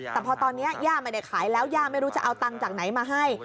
แต่พอตอนนี้ย่าไม่ได้ขายแล้วย่าไม่รู้จะเอาตังค์จากไหนมาให้